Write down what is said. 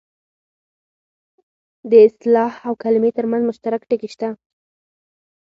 د اصطلاح او کلمې ترمنځ مشترک ټکي شته